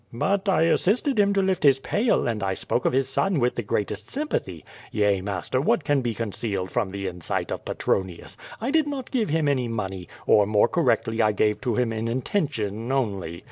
"But I assisted him to lift his pail and I spoke of his son with the greatest sympathy. Yea, master, what can be con cealed from the insight of Petronius? I did not give him any money, or more correctly, I gave to him in intention only.